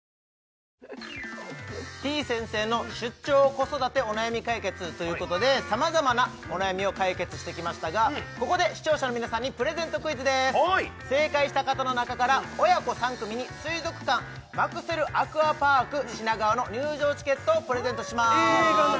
子育てお悩み解決！」ということで様々なお悩みを解決してきましたがここで視聴者の皆さんにプレゼントクイズです正解した方の中から親子３組に水族館マクセルアクアパーク品川の入場チケットをプレゼントします